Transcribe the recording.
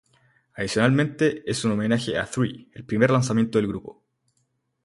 Adicionalmente, es una homenaje a "Three", el primer lanzamiento del grupo.